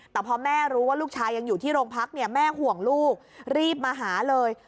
แต่พอแม่รู้ว่าลูกชายยังอยู่ที่โรงพักเนี่ยแม่ห่วงลูกรีบมาหาเลย